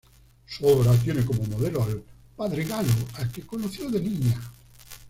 Su obra tiene como modelo al Padre Galo, al que conoció de niña.